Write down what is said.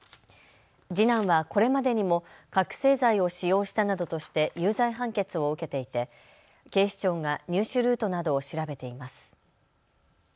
次男はこれまでにも覚醒剤を使用したなどとして有罪判決を受けていて、警視庁が入手ルートなどを調べています。